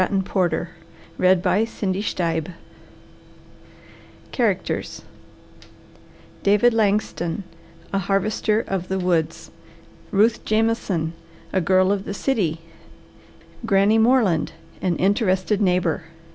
The Coming of the Bluebird CHARACTERS DAVID LANGSTON, A Harvester of the Woods. RUTH JAMESON, A Girl of the City. GRANNY MORELAND, An Interested Neighbour.